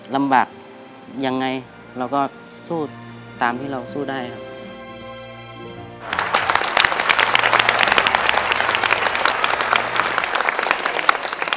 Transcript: ลำบากยังไงเราก็สู้ตามที่เราสู้ได้ครับ